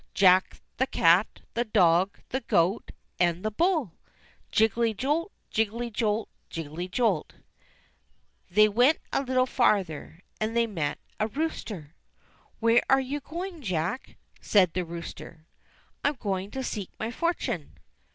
Jack, the cat, the dog, the goat, and the bull. Jiggelty jolt, jiggelty jolt, jiggelty jolt ! They went a little farther and they met a rooster. "Where are you going, Jack?" said the rooster. "I am going to seek my fortune."